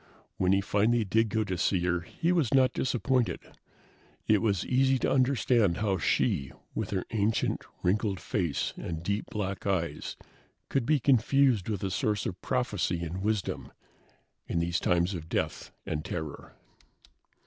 When he finally did go to see her, he was not disappointed. It was easy to understand how she, with her ancient, wrinkled face and deep black eyes, could be confused with a source of prophecy and wisdom in these times of death and terror.